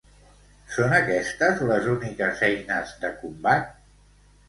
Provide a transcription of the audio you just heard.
Són aquestes les úniques eines de combat?